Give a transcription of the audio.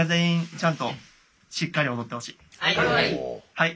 はい！